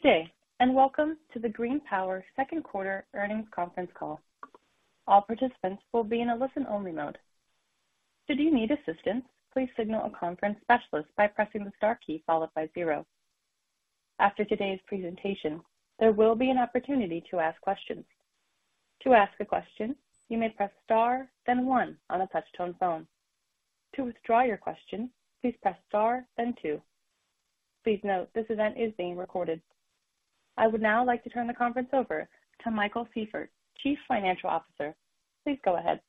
Good day, and welcome to the GreenPower second quarter earnings conference call. All participants will be in a listen-only mode. Should you need assistance, please signal a conference specialist by pressing the star key followed by zero. After today's presentation, there will be an opportunity to ask questions. To ask a question, you may press star then one on a touch-tone phone. To withdraw your question, please press star then two. Please note, this event is being recorded. I would now like to turn the conference over to Michael Sieffert, Chief Financial Officer. Please go ahead.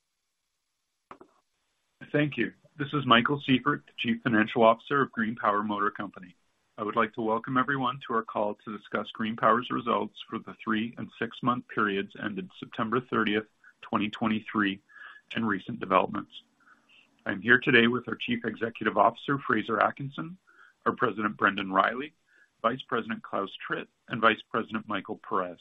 Thank you. This is Michael Sieffert, Chief Financial Officer of GreenPower Motor Company. I would like to welcome everyone to our call to discuss GreenPower's results for the 3- and 6-month periods ended September 30, 2023, and recent developments. I'm here today with our Chief Executive Officer, Fraser Atkinson, our President, Brendan Riley, Vice President, Claus Tritt, and Vice President, Michael Perez.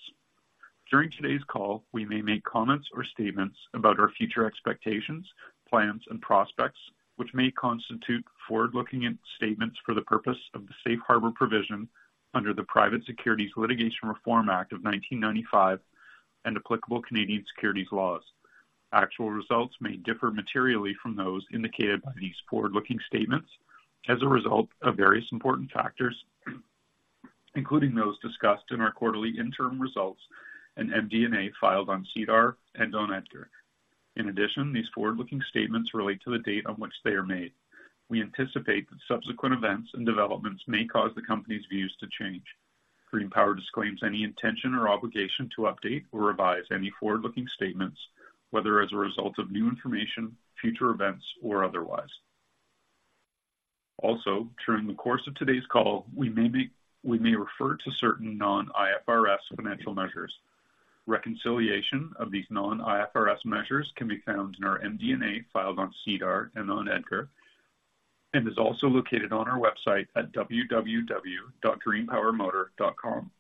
During today's call, we may make comments or statements about our future expectations, plans, and prospects, which may constitute forward-looking statements for the purpose of the Safe Harbor provision under the Private Securities Litigation Reform Act of 1995 and applicable Canadian securities laws. Actual results may differ materially from those indicated by these forward-looking statements as a result of various important factors, including those discussed in our quarterly interim results and MD&A filed on SEDAR and on EDGAR. In addition, these forward-looking statements relate to the date on which they are made. We anticipate that subsequent events and developments may cause the company's views to change. GreenPower disclaims any intention or obligation to update or revise any forward-looking statements, whether as a result of new information, future events, or otherwise. Also, during the course of today's call, we may refer to certain non-IFRS financial measures. Reconciliation of these non-IFRS measures can be found in our MD&A, filed on SEDAR and on EDGAR, and is also located on our website at www.greenpowermotor.com.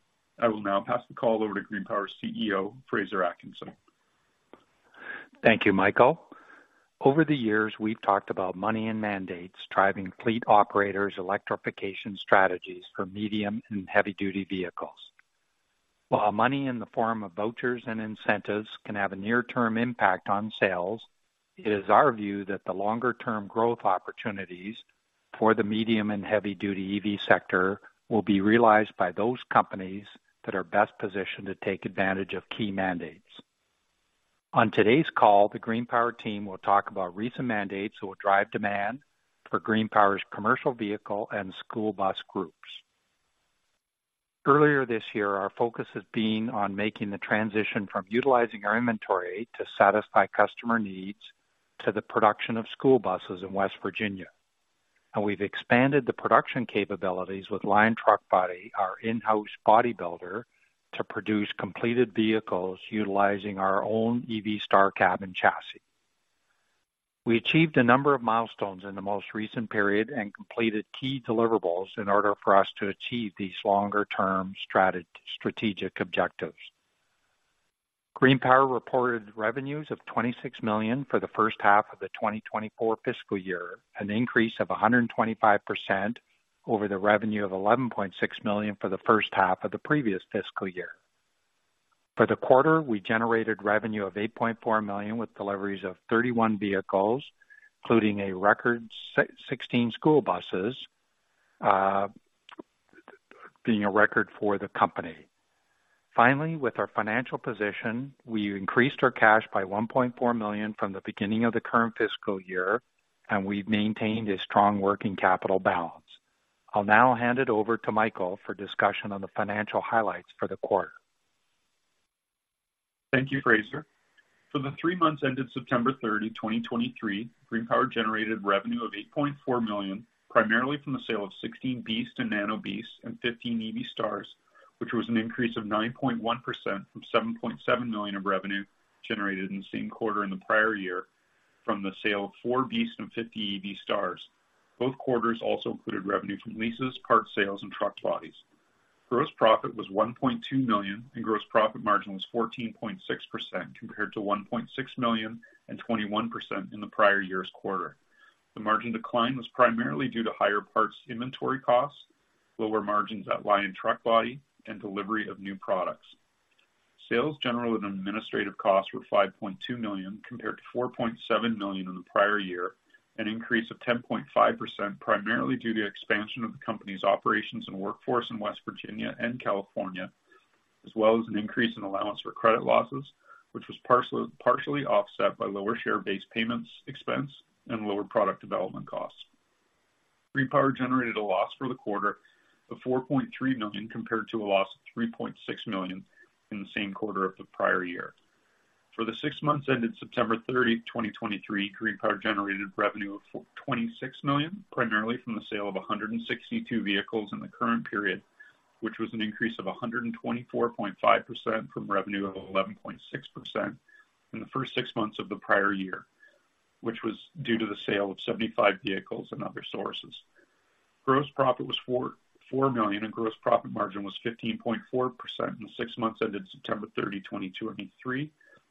I will now pass the call over to GreenPower's CEO, Fraser Atkinson. Thank you, Michael. Over the years, we've talked about money and mandates driving fleet operators' electrification strategies for medium- and heavy-duty vehicles. While money in the form of vouchers and incentives can have a near-term impact on sales, it is our view that the longer-term growth opportunities for the medium- and heavy-duty EV sector will be realized by those companies that are best positioned to take advantage of key mandates. On today's call, the GreenPower team will talk about recent mandates that will drive demand for GreenPower's commercial vehicle and school bus groups. Earlier this year, our focus has been on making the transition from utilizing our inventory to satisfy customer needs to the production of school buses in West Virginia, and we've expanded the production capabilities with Lion Truck Body, our in-house bodybuilder, to produce completed vehicles utilizing our own EV Star cab and chassis. We achieved a number of milestones in the most recent period and completed key deliverables in order for us to achieve these longer-term strategic objectives. GreenPower reported revenues of $26 million for the first half of the 2024 fiscal year, an increase of 125% over the revenue of $11.6 million for the first half of the previous fiscal year. For the quarter, we generated revenue of $8.4 million, with deliveries of 31 vehicles, including a record 16 school buses, being a record for the company. Finally, with our financial position, we increased our cash by $1.4 million from the beginning of the current fiscal year, and we've maintained a strong working capital balance. I'll now hand it over to Michael for discussion on the financial highlights for the quarter. Thank you, Fraser. For the three months ended September 30, 2023, GreenPower generated revenue of $8.4 million, primarily from the sale of 16 BEAST and Nano BEAST and 15 EV Star, which was an increase of 9.1% from $7.7 million of revenue generated in the same quarter in the prior year from the sale of 4 BEAST and 50 EV Star. Both quarters also included revenue from leases, parts sales, and truck bodies. Gross profit was $1.2 million, and gross profit margin was 14.6%, compared to $1.6 million and 21% in the prior year's quarter. The margin decline was primarily due to higher parts inventory costs, lower margins at Lion Truck Body, and delivery of new products. Sales, general, and administrative costs were $5.2 million, compared to $4.7 million in the prior year, an increase of 10.5%, primarily due to expansion of the company's operations and workforce in West Virginia and California, as well as an increase in allowance for credit losses, which was partially offset by lower share-based payments, expense, and lower product development costs. GreenPower generated a loss for the quarter of $4.3 million, compared to a loss of $3.6 million in the same quarter of the prior year. For the six months ended September 30, 2023, GreenPower generated revenue of $26 million, primarily from the sale of 162 vehicles in the current period, which was an increase of 124.5% from revenue of $11.6 million in the first six months of the prior year, which was due to the sale of 75 vehicles and other sources. Gross profit was $4.4 million, and gross profit margin was 15.4% in the six months ended September 30, 2023,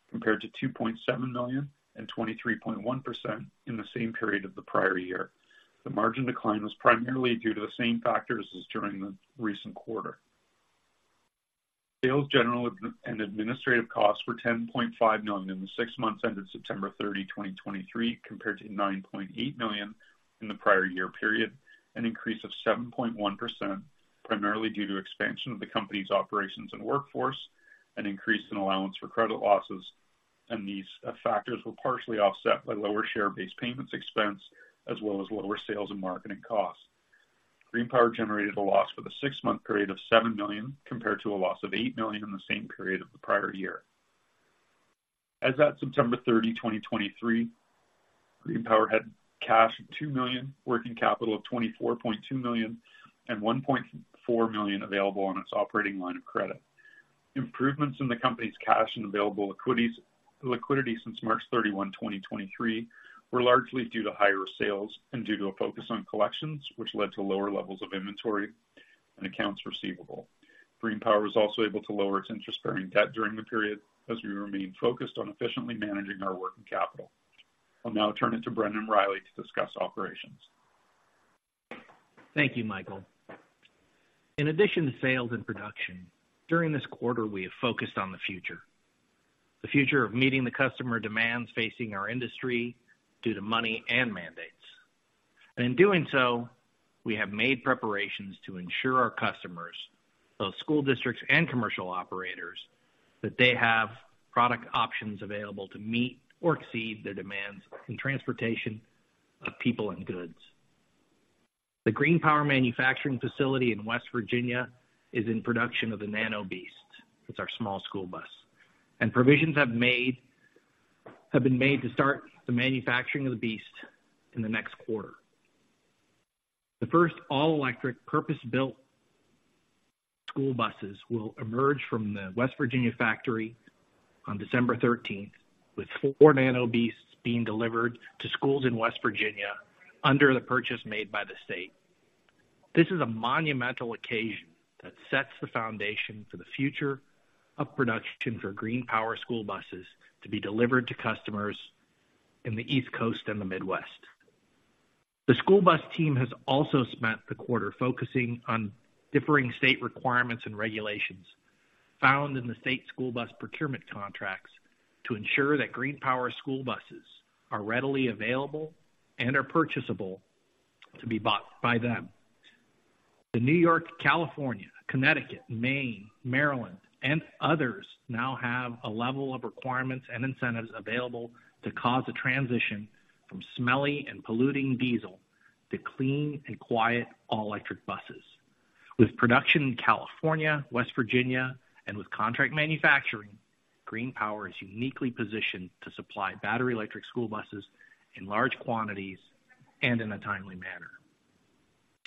compared to $2.7 million and 23.1% in the same period of the prior year. The margin decline was primarily due to the same factors as during the recent quarter. Sales, general and administrative costs were $10.5 million in the six months ended September 30, 2023, compared to $9.8 million in the prior year period, an increase of 7.1%, primarily due to expansion of the company's operations and workforce, an increase in allowance for credit losses, and these factors were partially offset by lower share-based payments expense, as well as lower sales and marketing costs. GreenPower generated a loss for the six-month period of $7 million, compared to a loss of $8 million in the same period of the prior year. As at September 30, 2023, GreenPower had cash of $2 million, working capital of $24.2 million, and $1.4 million available on its operating line of credit. Improvements in the company's cash and available equity liquidity since March 31, 2023, were largely due to higher sales and due to a focus on collections, which led to lower levels of inventory and accounts receivable. GreenPower was also able to lower its interest-bearing debt during the period, as we remain focused on efficiently managing our working capital. I'll now turn it to Brendan Riley to discuss operations. Thank you, Michael. In addition to sales and production, during this quarter, we have focused on the future. The future of meeting the customer demands facing our industry due to money and mandates. In doing so, we have made preparations to ensure our customers, both school districts and commercial operators, that they have product options available to meet or exceed their demands in transportation of people and goods. The GreenPower manufacturing facility in West Virginia is in production of the Nano BEAST. It's our small school bus, and provisions have been made to start the manufacturing of the BEAST in the next quarter. The first all-electric, purpose-built school buses will emerge from the West Virginia factory on December thirteenth, with four Nano BEASTs being delivered to schools in West Virginia under the purchase made by the state. This is a monumental occasion that sets the foundation for the future of production for GreenPower school buses to be delivered to customers in the East Coast and the Midwest. The school bus team has also spent the quarter focusing on differing state requirements and regulations found in the state school bus procurement contracts to ensure that GreenPower school buses are readily available and are purchasable to be bought by them. The New York, California, Connecticut, Maine, Maryland, and others now have a level of requirements and incentives available to cause a transition from smelly and polluting diesel to clean and quiet all-electric buses. With production in California, West Virginia, and with contract manufacturing, GreenPower is uniquely positioned to supply battery electric school buses in large quantities and in a timely manner.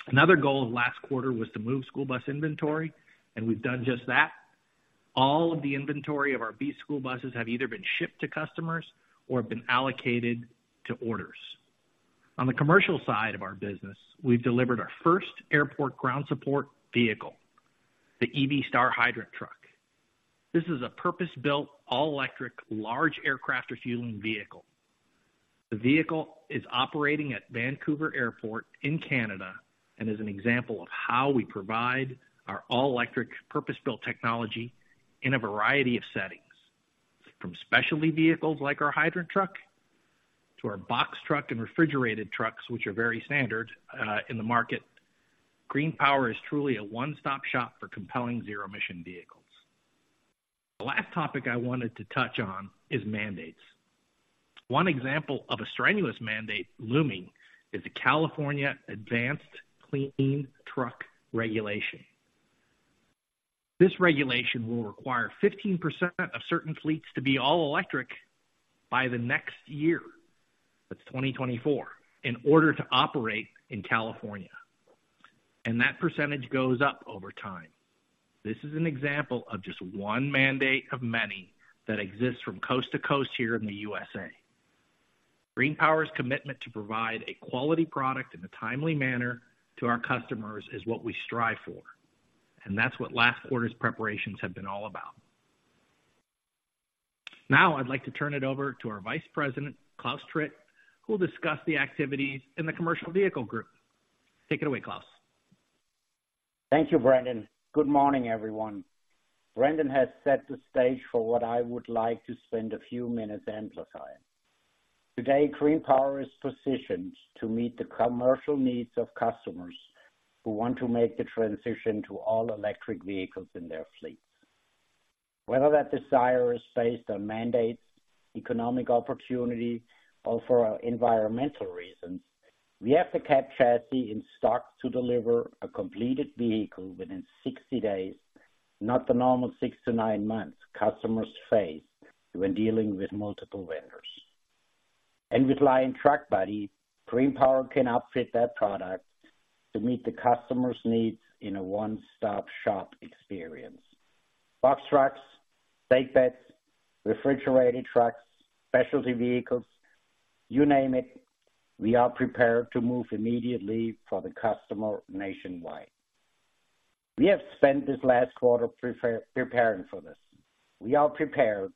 Another goal of last quarter was to move school bus inventory, and we've done just that. All of the inventory of our BEAST school buses have either been shipped to customers or have been allocated to orders. On the commercial side of our business, we've delivered our first airport ground support vehicle, the EV Star Hydrant Truck. This is a purpose-built, all-electric, large aircraft refueling vehicle. The vehicle is operating at Vancouver Airport in Canada, and is an example of how we provide our all-electric, purpose-built technology in a variety of settings, from specialty vehicles like our hydrant truck, to our box truck and refrigerated trucks, which are very standard in the market. GreenPower is truly a one-stop shop for compelling zero emission vehicles. The last topic I wanted to touch on is mandates. One example of a strenuous mandate looming is the California Advanced Clean Truck Regulation. This regulation will require 15% of certain fleets to be all electric by the next year, that's 2024, in order to operate in California, and that percentage goes up over time. This is an example of just one mandate of many that exists from coast to coast here in the USA. GreenPower's commitment to provide a quality product in a timely manner to our customers is what we strive for, and that's what last quarter's preparations have been all about. Now, I'd like to turn it over to our Vice President, Claus Tritt, who will discuss the activities in the commercial vehicle group. Take it away, Claus. Thank you, Brendan. Good morning, everyone. Brendan has set the stage for what I would like to spend a few minutes amplifying. Today, GreenPower is positioned to meet the commercial needs of customers who want to make the transition to all-electric vehicles in their fleets. Whether that desire is based on mandates, economic opportunity, or for environmental reasons, we have to keep chassis in stock to deliver a completed vehicle within 60 days, not the normal 6-9 months customers face when dealing with multiple vendors. And with Lion Truck Body, GreenPower can outfit that product to meet the customer's needs in a one-stop shop experience. Box trucks, stake beds, refrigerated trucks, specialty vehicles, you name it, we are prepared to move immediately for the customer nationwide. We have spent this last quarter preparing for this. We are prepared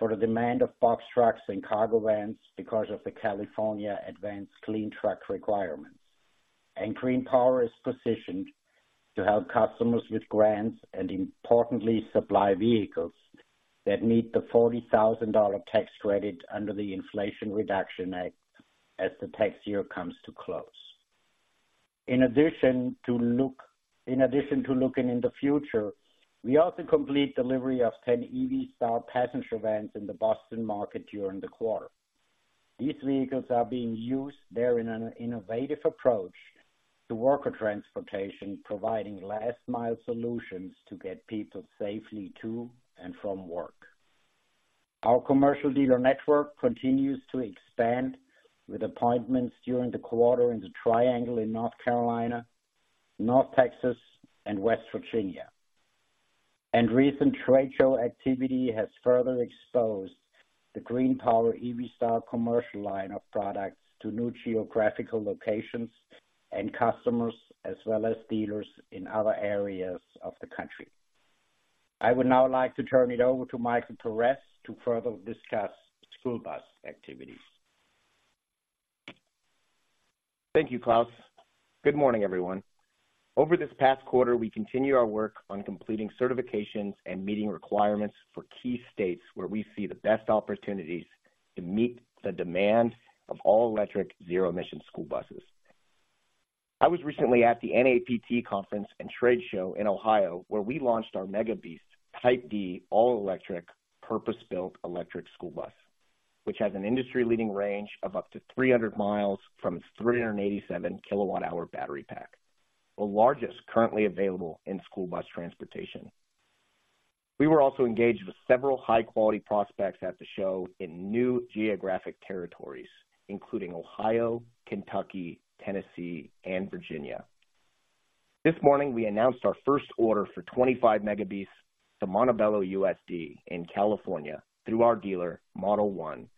for the demand of box trucks and cargo vans because of the California Advanced Clean Truck requirement, and GreenPower is positioned to help customers with grants and importantly, supply vehicles that meet the $40,000 tax credit under the Inflation Reduction Act as the tax year comes to close. In addition to looking in the future, we also complete delivery of 10 EV Star Passenger Vans in the Boston market during the quarter. These vehicles are being used there in an innovative approach to worker transportation, providing last mile solutions to get people safely to and from work. Our commercial dealer network continues to expand, with appointments during the quarter in the Triangle in North Carolina, North Texas, and West Virginia. Recent trade show activity has further exposed the GreenPower EV Star commercial line of products to new geographical locations and customers, as well as dealers in other areas of the country. I would now like to turn it over to Michael Torres to further discuss school bus activities. Thank you, Claus. Good morning, everyone. Over this past quarter, we continue our work on completing certifications and meeting requirements for key states where we see the best opportunities to meet the demand of all-electric zero-emission school buses. I was recently at the NAPT conference and trade show in Ohio, where we launched our Mega BEAST Type D, all-electric, purpose-built electric school bus, which has an industry-leading range of up to 300 miles from its 387-kilowatt-hour battery pack, the largest currently available in school bus transportation. We were also engaged with several high-quality prospects at the show in new geographic territories, including Ohio, Kentucky, Tennessee, and Virginia. This morning, we announced our first order for 25 Mega BEASTs to Montebello USD in California through our dealer, Model One,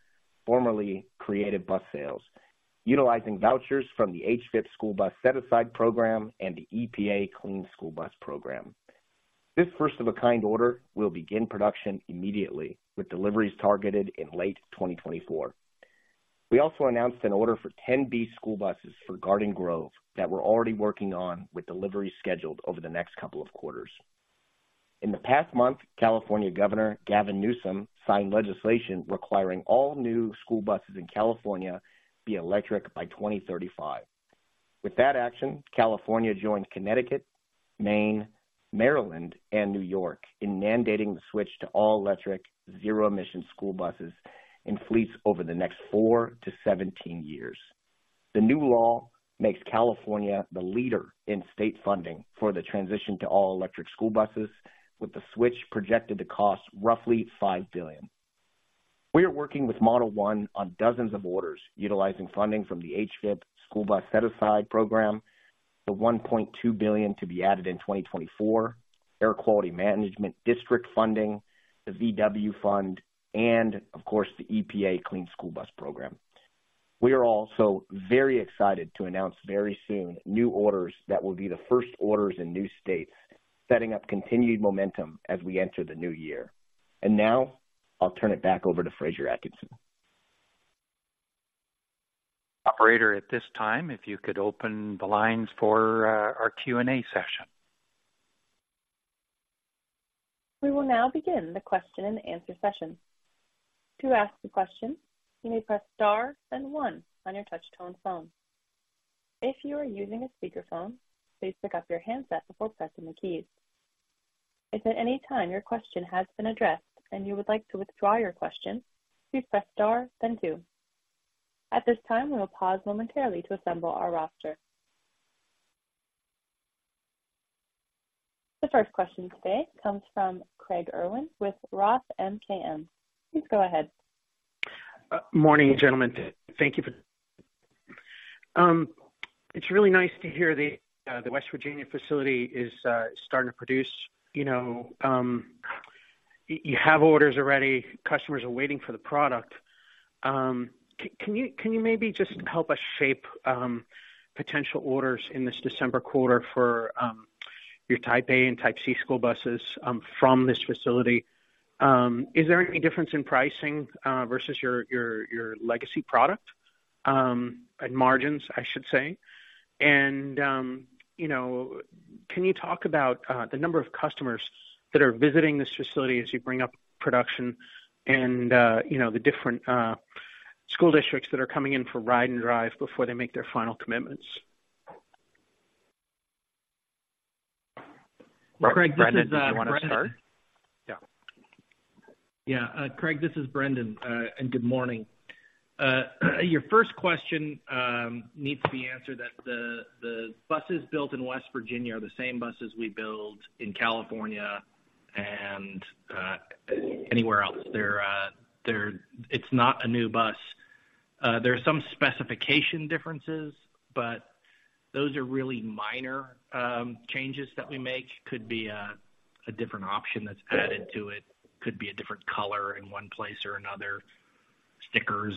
formerly Creative Bus Sales, utilizing vouchers from the HVIP School Bus Set Aside Program and the EPA Clean School Bus Program. This first of a kind order will begin production immediately, with deliveries targeted in late 2024. We also announced an order for 10 BEAST school buses for Garden Grove that we're already working on, with delivery scheduled over the next couple of quarters. In the past month, California Governor Gavin Newsom signed legislation requiring all new school buses in California be electric by 2035. With that action, California joined Connecticut, Maine, Maryland, and New York in mandating the switch to all-electric zero-emission school buses and fleets over the next 4-17 years. The new law makes California the leader in state funding for the transition to all electric school buses, with the switch projected to cost roughly $5 billion. We are working with Model One on dozens of orders, utilizing funding from the HVIP School Bus Set Aside Program, the $1.2 billion to be added in 2024, Air Quality Management District funding, the VW Fund, and of course, the EPA Clean School Bus Program. We are also very excited to announce very soon new orders that will be the first orders in new states, setting up continued momentum as we enter the new year. And now I'll turn it back over to Fraser Atkinson. Operator, at this time, if you could open the lines for our Q&A session. We will now begin the question and answer session. To ask a question, you may press star then one on your touchtone phone. If you are using a speakerphone, please pick up your handset before pressing the keys. If at any time your question has been addressed and you would like to withdraw your question, please press star then two. At this time, we will pause momentarily to assemble our roster. The first question today comes from Craig Irwin with Roth MKM. Please go ahead. Morning, gentlemen. Thank you for... It's really nice to hear the West Virginia facility is starting to produce. You know, you have orders already. Customers are waiting for the product. Can you maybe just help us shape potential orders in this December quarter for your Type A and Type C school buses from this facility? Is there any difference in pricing versus your legacy product and margins, I should say? And you know, can you talk about the number of customers that are visiting this facility as you bring up production and you know, the different school districts that are coming in for ride and drive before they make their final commitments? Craig, this is- Brendan, do you want to start? Yeah. Yeah. Craig, this is Brendan, and good morning. Your first question needs to be answered that the buses built in West Virginia are the same buses we build in California and anywhere else. They're... It's not a new bus. There are some specification differences, but those are really minor changes that we make. Could be a different option that's added to it, could be a different color in one place or another, stickers,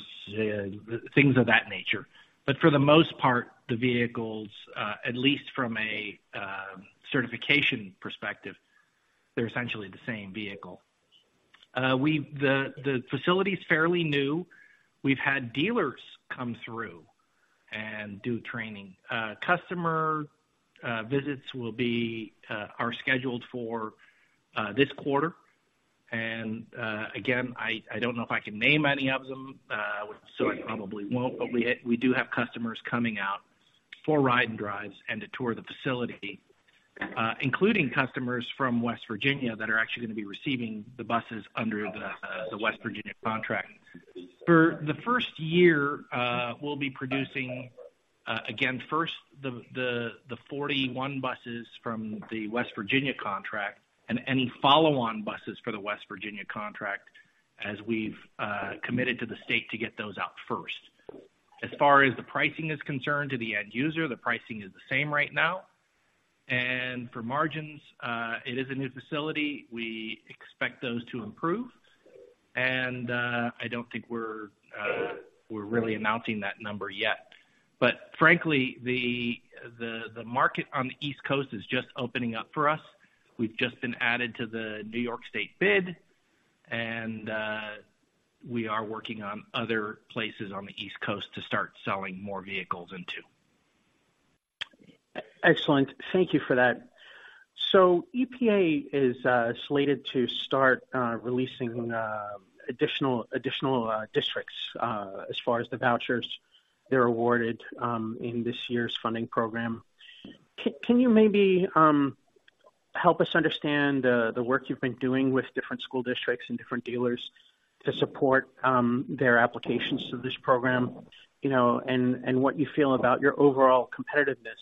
things of that nature. But for the most part, the vehicles, at least from a certification perspective, they're essentially the same vehicle. The facility is fairly new. We've had dealers come through and do training. Customer visits are scheduled for this quarter. Again, I don't know if I can name any of them, so I probably won't. But we do have customers coming out for ride-and-drives and to tour the facility, including customers from West Virginia that are actually going to be receiving the buses under the West Virginia contract. For the first year, we'll be producing first the 41 buses from the West Virginia contract and any follow-on buses for the West Virginia contract, as we've committed to the state to get those out first. As far as the pricing is concerned to the end user, the pricing is the same right now. For margins, it is a new facility. We expect those to improve, and I don't think we're really announcing that number yet. But frankly, the market on the East Coast is just opening up for us. We've just been added to the New York State bid, and we are working on other places on the East Coast to start selling more vehicles into. Excellent. Thank you for that. So EPA is slated to start releasing additional districts as far as the vouchers they're awarded in this year's funding program. Can you maybe help us understand the work you've been doing with different school districts and different dealers to support their applications to this program? You know, and what you feel about your overall competitiveness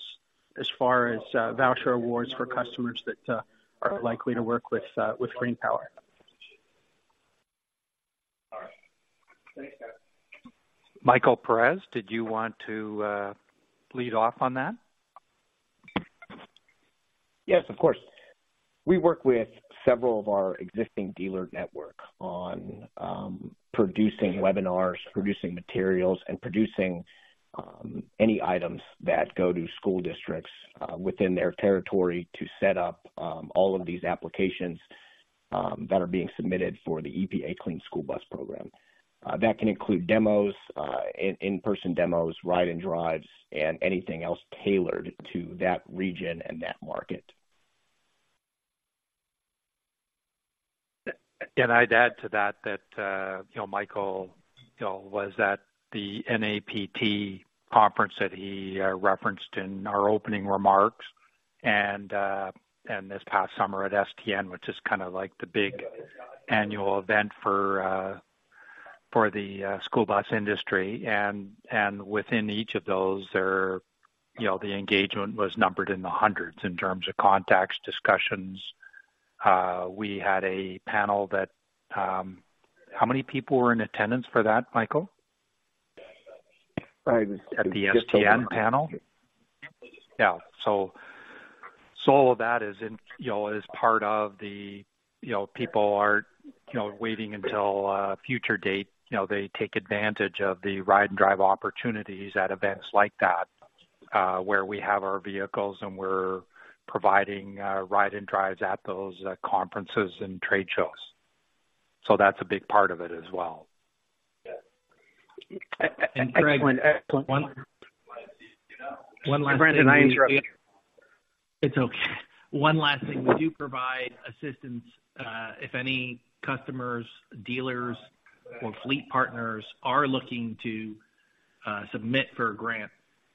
as far as voucher awards for customers that are likely to work with GreenPower? Michael Perez, did you want to lead off on that? Yes, of course. We work with several of our existing dealer network on producing webinars, producing materials, and producing any items that go to school districts within their territory to set up all of these applications that are being submitted for the EPA Clean School Bus Program. That can include demos, in-person demos, ride and drives, and anything else tailored to that region and that market. I'd add to that you know, Michael, you know, was at the NAPT conference that he referenced in our opening remarks, and this past summer at STN, which is kind of like the big annual event for the school bus industry. And within each of those there, you know, the engagement was numbered in the hundreds in terms of contacts, discussions. We had a panel that... How many people were in attendance for that, Michael? I was- At the STN panel? Yeah. So, so all of that is in, you know, is part of the, you know, people are, you know, waiting until a future date. You know, they take advantage of the ride-and-drive opportunities at events like that, where we have our vehicles, and we're providing ride and drives at those conferences and trade shows. So that's a big part of it as well. Craig, one last- Brendan, did I interrupt you? It's okay. One last thing. We do provide assistance if any customers, dealers or fleet partners are looking to submit for a grant.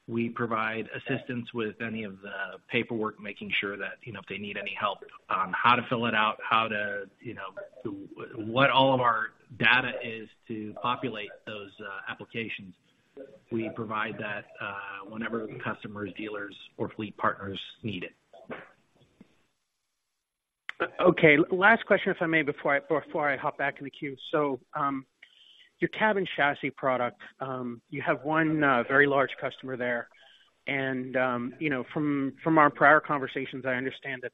We provide assistance with any of the paperwork, making sure that, you know, if they need any help on how to fill it out, how to, you know, what all of our data is to populate those applications. We provide that whenever customers, dealers or fleet partners need it. Okay, last question, if I may, before I hop back in the queue. So, your cab and chassis product, you have one very large customer there, and, you know, from our prior conversations, I understand that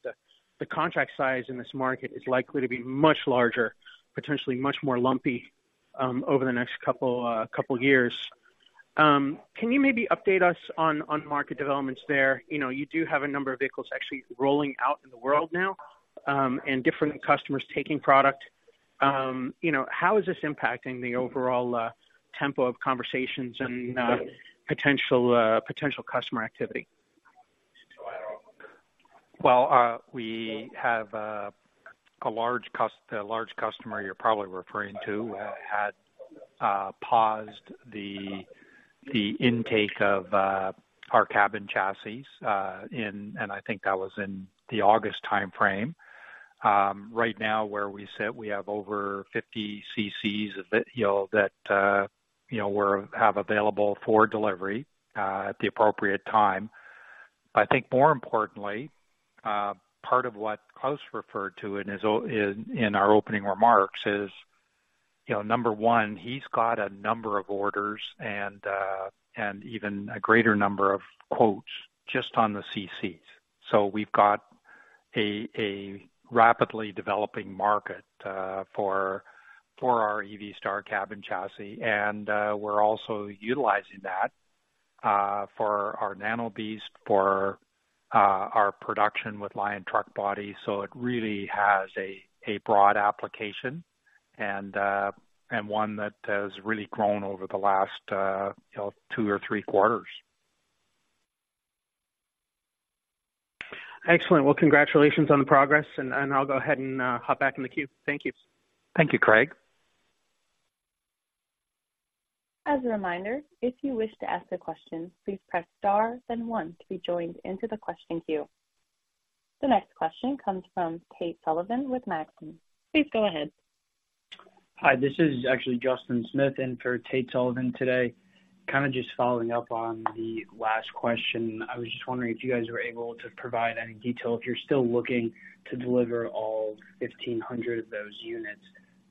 the contract size in this market is likely to be much larger, potentially much more lumpy, over the next couple years. Can you maybe update us on market developments there? You know, you do have a number of vehicles actually rolling out in the world now, and different customers taking product. You know, how is this impacting the overall tempo of conversations and potential customer activity? Well, we have a large customer you're probably referring to, had paused the intake of our cab and chassis in. I think that was in the August timeframe. Right now, where we sit, we have over 50 CCs of it, you know, that you know, we have available for delivery at the appropriate time. I think more importantly, part of what Klaus referred to in his opening remarks is, you know, number one, he's got a number of orders and even a greater number of quotes just on the CCs. So we've got a rapidly developing market for our EV Star Cab & Chassis, and we're also utilizing that for our Nano BEAST, for our production with Lion Truck Body. So it really has a broad application and one that has really grown over the last, you know, two or three quarters. Excellent. Well, congratulations on the progress, and I'll go ahead and hop back in the queue. Thank you. Thank you, Craig. As a reminder, if you wish to ask a question, please press star then one to be joined into the question queue. The next question comes from Tate Sullivan with Maxim. Please go ahead. Hi, this is actually Justin Smith in for Tate Sullivan today. Kind of just following up on the last question. I was just wondering if you guys were able to provide any detail, if you're still looking to deliver all 1,500 of those units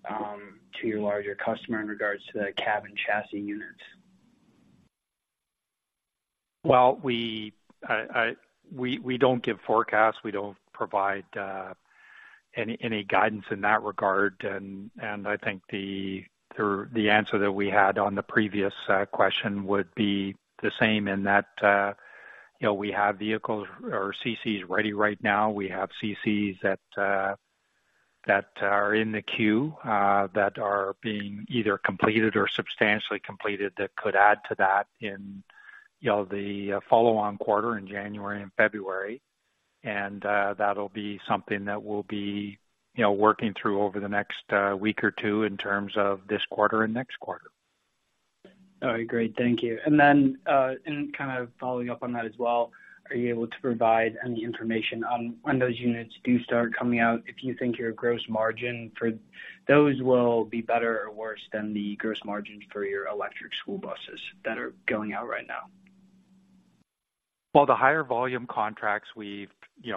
to your larger customer in regards to the cab and chassis units? Well, we don't give forecasts. We don't provide any guidance in that regard. And I think the answer that we had on the previous question would be the same in that, you know, we have vehicles or CCs ready right now. We have CCs that are in the queue that are being either completed or substantially completed, that could add to that in, you know, the follow-on quarter in January and February. And that'll be something that we'll be, you know, working through over the next week or two in terms of this quarter and next quarter. All right, great. Thank you. And then, and kind of following up on that as well, are you able to provide any information on when those units do start coming out, if you think your gross margin for those will be better or worse than the gross margin for your electric school buses that are going out right now? Well, the higher volume contracts, we've you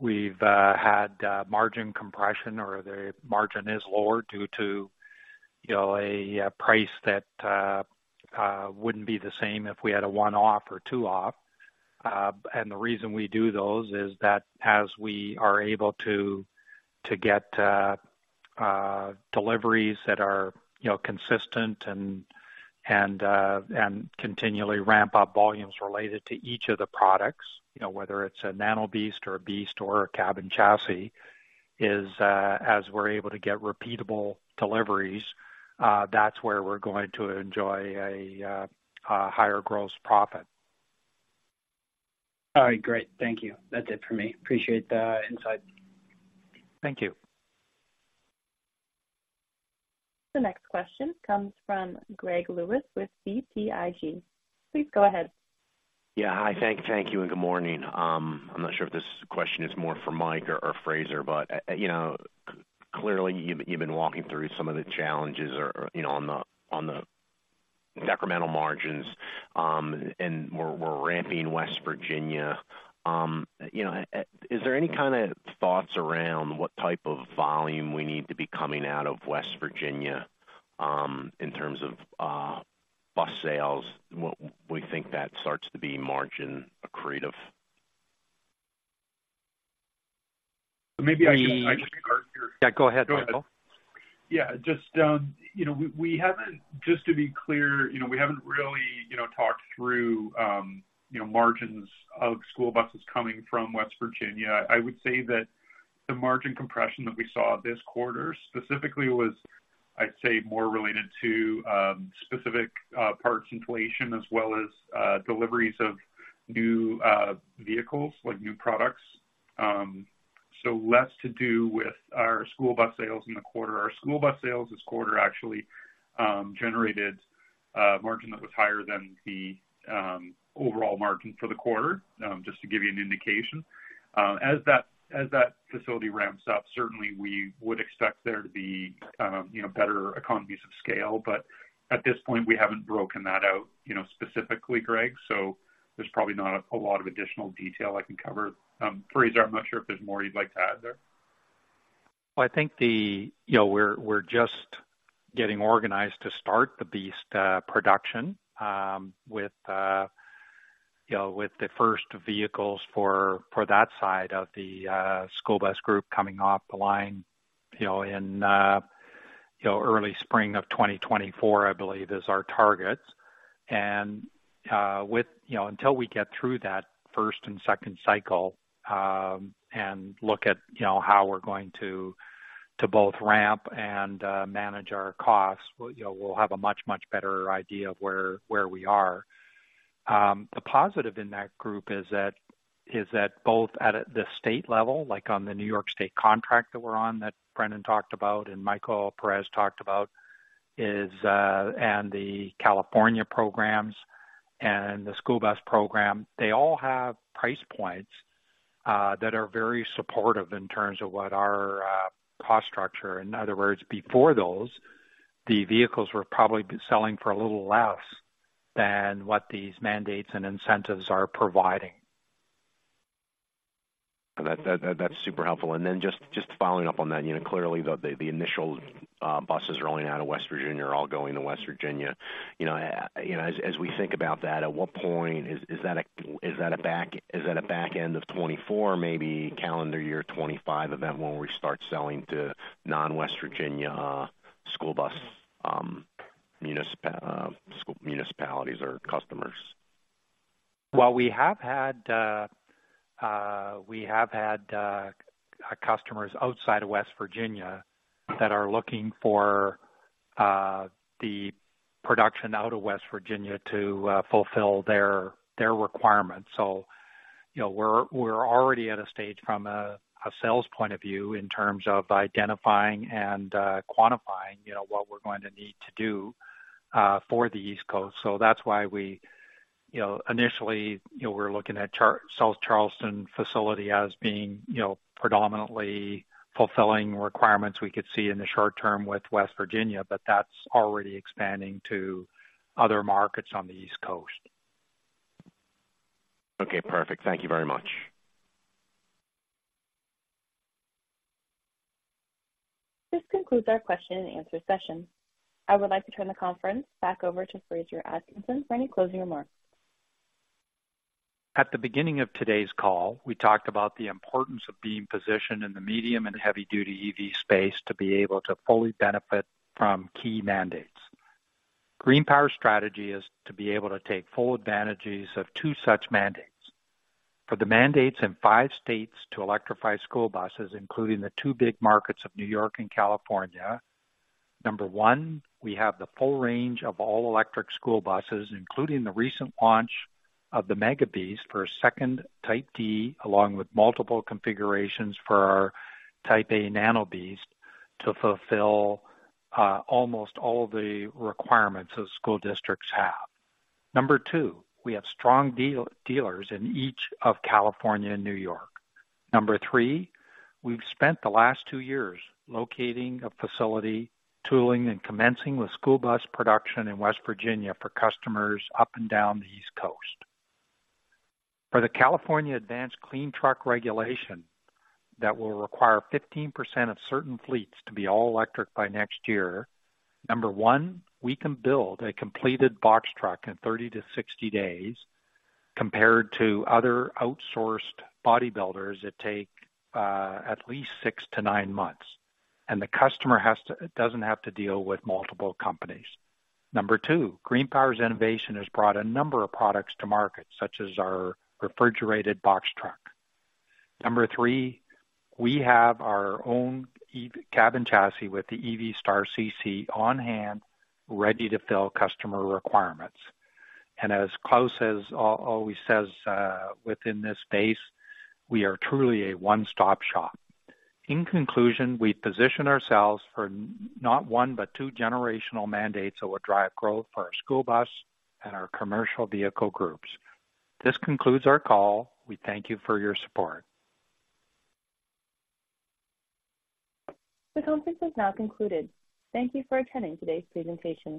know we've had margin compression or the margin is lower due to you know a price that wouldn't be the same if we had a one-off or two-off. And the reason we do those is that as we are able to get deliveries that are you know consistent and continually ramp up volumes related to each of the products, you know, whether it's a Nano BEAST or a BEAST or a cab and chassis, is as we're able to get repeatable deliveries, that's where we're going to enjoy a higher gross profit. All right, great. Thank you. That's it for me. Appreciate the insight. Thank you. The next question comes from Greg Lewis with BTIG. Please go ahead. Yeah. Hi, thank you, and good morning. I'm not sure if this question is more for Mike or Fraser, but, you know, clearly you've been walking through some of the challenges or, you know, on the incremental margins, and we're ramping West Virginia. You know, is there any kind of thoughts around what type of volume we need to be coming out of West Virginia, in terms of bus sales, what we think that starts to be margin accretive? Maybe I can- Yeah, go ahead, Michael. Go ahead. Yeah, just, you know, we, we haven't -- just to be clear, you know, we haven't really, you know, talked through, margins of school buses coming from West Virginia. I would say that the margin compression that we saw this quarter specifically was, I'd say, more related to, specific, parts inflation as well as, deliveries of new, vehicles, like new products. So less to do with our school bus sales in the quarter. Our school bus sales this quarter actually, generated, margin that was higher than the, overall margin for the quarter, just to give you an indication. As that facility ramps up, certainly we would expect there to be, you know, better economies of scale, but at this point, we haven't broken that out, you know, specifically, Greg, so there's probably not a whole lot of additional detail I can cover. Fraser, I'm not sure if there's more you'd like to add there. Well, I think the... You know, we're just getting organized to start the BEAST production with you know, with the first vehicles for that side of the school bus group coming off the line, you know, in you know, early spring of 2024, I believe, is our target. And with you know, until we get through that first and second cycle and look at you know, how we're going to both ramp and manage our costs, we'll you know, we'll have a much much better idea of where we are. The positive in that group is that both at the state level, like on the New York State contract that we're on, that Brendan talked about and Michael Perez talked about, and the California programs and the school bus program, they all have price points that are very supportive in terms of what our cost structure. In other words, before those, the vehicles were probably selling for a little less than what these mandates and incentives are providing. That's super helpful. And then just following up on that, you know, clearly the initial buses rolling out of West Virginia are all going to West Virginia. You know, as we think about that, at what point is that a back end of 2024, maybe calendar year 2025 event when we start selling to non-West Virginia school bus municipalities or customers?... Well, we have had customers outside of West Virginia that are looking for the production out of West Virginia to fulfill their requirements. So, you know, we're already at a stage from a sales point of view in terms of identifying and quantifying, you know, what we're going to need to do for the East Coast. So that's why we, you know, initially, you know, we're looking at South Charleston facility as being, you know, predominantly fulfilling requirements we could see in the short term with West Virginia, but that's already expanding to other markets on the East Coast. Okay, perfect. Thank you very much. This concludes our question and answer session. I would like to turn the conference back over to Fraser Atkinson for any closing remarks. At the beginning of today's call, we talked about the importance of being positioned in the medium and heavy-duty EV space to be able to fully benefit from key mandates. GreenPower strategy is to be able to take full advantages of two such mandates. For the mandates in five states to electrify school buses, including the two big markets of New York and California. Number one, we have the full range of all-electric school buses, including the recent launch of the Mega BEAST for a second Type D, along with multiple configurations for our Type A Nano BEAST, to fulfill almost all the requirements that school districts have. Number two, we have strong dealers in each of California and New York. Number 3, we've spent the last 2 years locating a facility, tooling and commencing with school bus production in West Virginia for customers up and down the East Coast. For the California Advanced Clean Truck regulation, that will require 15% of certain fleets to be all electric by next year. Number 1, we can build a completed box truck in 30-60 days, compared to other outsourced bodybuilders that take at least 6-9 months, and the customer doesn't have to deal with multiple companies. Number 2, GreenPower's innovation has brought a number of products to market, such as our refrigerated box truck. Number 3, we have our own EV cab and chassis with the EV Star CC on hand, ready to fill customer requirements. And as Klaus always says, within this space, we are truly a one-stop shop. In conclusion, we position ourselves for not one, but two generational mandates that will drive growth for our school bus and our commercial vehicle groups. This concludes our call. We thank you for your support. The conference is now concluded. Thank you for attending today's presentation.